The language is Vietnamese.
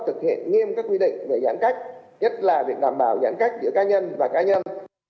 thực hiện nghiêm các quy định về giãn cách nhất là việc đảm bảo giãn cách giữa cá nhân và cá nhân